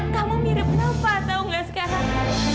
kamu mirip kenapa tau gak sekarang